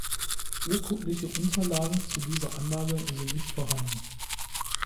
Urkundliche Unterlagen zu dieser Anlage sind nicht vorhanden.